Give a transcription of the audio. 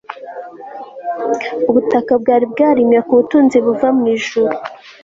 ubutaka bwari bwarimwe ku butunzi buva mu ijuru